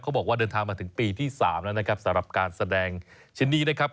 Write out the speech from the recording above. บอกว่าเดินทางมาถึงปีที่๓แล้วนะครับสำหรับการแสดงชิ้นนี้นะครับ